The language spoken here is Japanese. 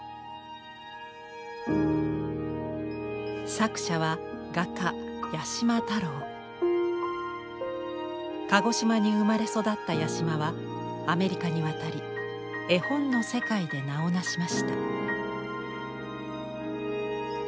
作者は鹿児島に生まれ育った八島はアメリカに渡り絵本の世界で名を成しました。